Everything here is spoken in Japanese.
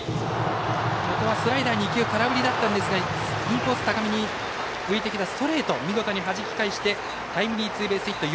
ここはスライダー２球空振りだったんですがインコース高めに浮いてきたストレートを見事にはじき返してタイムリーツーベースヒット。